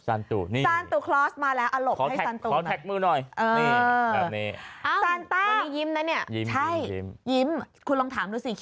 สานตุคลอสมาแล้วขอถ